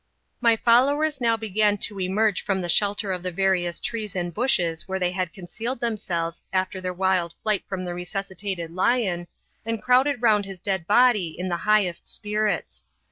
My followers now began to emerge from the shelter of the various trees and bushes where they had concealed themselves after their wild flight from the resuscitated lion, and crowded round his dead body in the highest spirits.